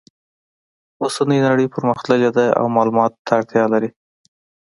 اوسنۍ نړۍ پرمختللې ده او معلوماتو ته اړتیا لري